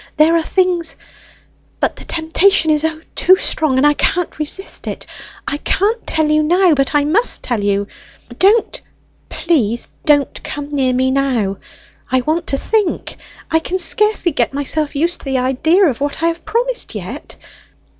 "There are things; but the temptation is, O, too strong, and I can't resist it; I can't tell you now, but I must tell you! Don't, please, don't come near me now! I want to think, I can scarcely get myself used to the idea of what I have promised yet."